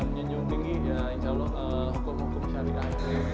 menyunjung tinggi ya insya allah hukum hukum syariah